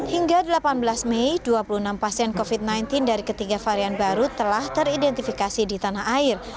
hingga delapan belas mei dua puluh enam pasien covid sembilan belas dari ketiga varian baru telah teridentifikasi di tanah air